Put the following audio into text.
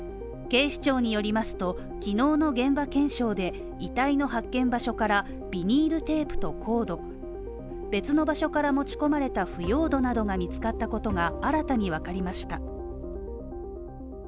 警視庁によりますと、昨日の現場検証で、遺体の発見場所からビニールテープとコード別の場所から持ち込まれた腐葉土などが見つかったことが新たにわかりました。